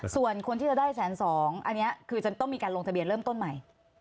ส่วนคนที่จะได้แสนสองอันนี้คือจะต้องมีการลงทะเบียนเริ่มต้นใหม่